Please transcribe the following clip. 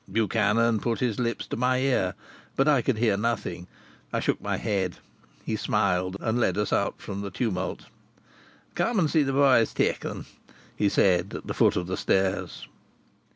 Buchanan put his lips to my ear. But I could hear nothing. I shook my head. He smiled, and led us out from the tumult. "Come and see the boys take them," he said at the foot of the stairs.